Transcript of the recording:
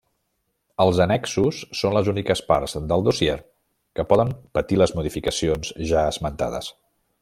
Els annexos són les úniques parts del dossier que poden patir les modificacions ja esmentades.